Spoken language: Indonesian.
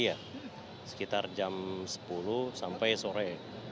iya sekitar jam sepuluh sampai sore